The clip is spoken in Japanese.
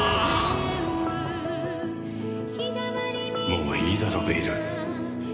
もういいだろベイル。